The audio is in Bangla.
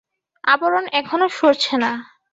আবরণ এখনো সরছে না।